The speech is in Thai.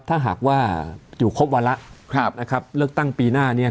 ถ้าหากว่าอยู่ครบวาระครับนะครับเลือกตั้งปีหน้าเนี่ย